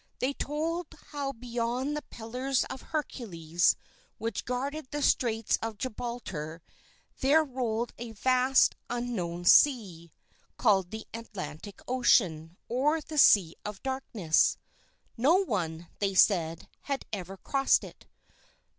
They told how beyond the Pillars of Hercules which guarded the straits of Gibraltar, there rolled a vast, unknown sea, called the Atlantic Ocean or the Sea of Darkness. No one, they said, had ever crossed it.